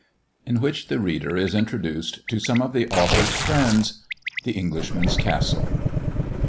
IN WHICH THE READER IS INTRODUCED TO SOME OF THE AUTHOR'S FRIENDS. THE ENGLISHMAN'S CASTLE.